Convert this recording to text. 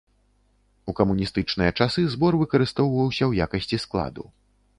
У камуністычныя часы збор выкарыстоўваўся ў якасці складу.